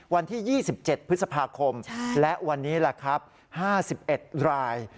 วันที่๒๗พฤษภาคมและวันนี้แหละครับ๕๑ราย